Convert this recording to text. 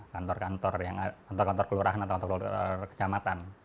kantor kantor yang kantor kantor kelurahan atau kantor kantor kecamatan